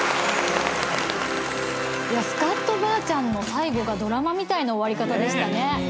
スカッとばあちゃんの最後がドラマみたいな終わり方でしたね。